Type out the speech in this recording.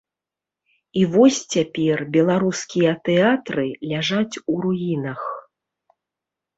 І вось цяпер беларускія тэатры ляжаць у руінах.